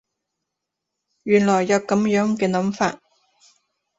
原來有噉樣嘅諗法